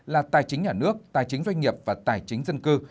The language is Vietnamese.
là tài chính nhà nước tài chính doanh nghiệp và tài chính dân cư